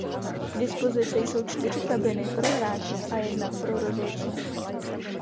K dispozici jsou čtyři kabiny pro hráče a jedna pro rozhodčí.